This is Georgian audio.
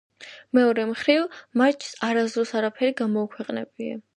მეორე მხრივ, მარიჩს არასდროს არაფერი გამოუქვეყნებია.